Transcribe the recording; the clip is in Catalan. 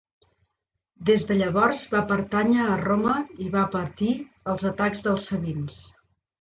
Des de llavors va pertànyer a Roma i va patir els atacs dels sabins.